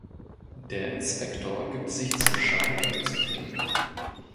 Der Inspektor gibt sich zum Schein damit zufrieden.